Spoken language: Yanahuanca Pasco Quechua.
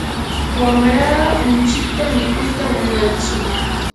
wamraa unchikta mikuyta munantsu.